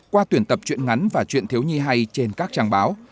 qua tuyển tập chuyện ngắn và chuyện thiếu nhi hay trên các trang báo